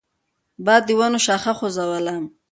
باد د ونو شاخه وخوځوله.